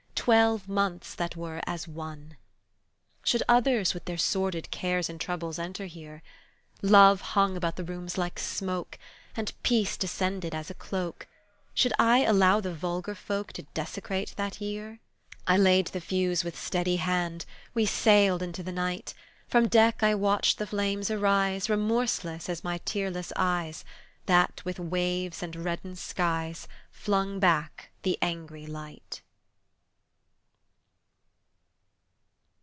Twelve months that were as one! Should others with their sordid cares And troubles enter here? Love hung about the rooms like smoke, And peace descended as a cloak, Should I allow the vulgar folk To desecrate that year? I laid the fuse with steady hand; We sailed into the night, From deck I watched the flames arise Remorseless as my tearless eyes That, with the waves and reddened skies, Flung back the angry light.